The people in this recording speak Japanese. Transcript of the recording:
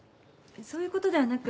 そういう事ではなく。